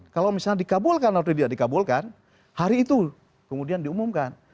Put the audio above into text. kalau misalnya dikabulkan atau tidak dikabulkan hari itu kemudian diumumkan